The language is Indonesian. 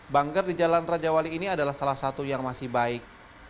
banker di jalan raja wali ini adalah salah satu yang masih baik